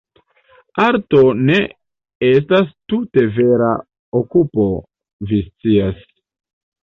Arto ne estas tute vira okupo, vi scias.